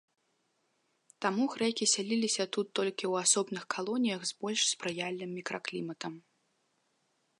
Таму грэкі сяліліся тут толькі ў асобных калоніях з больш спрыяльным мікракліматам.